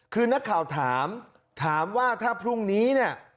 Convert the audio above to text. คือนักข่าวถามถามว่าถ้าพรุ่งนี้เนี่ย